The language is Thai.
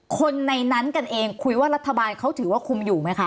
คนในนั้นกันเองคุยว่ารัฐบาลเขาถือว่าคุมอยู่ไหมคะ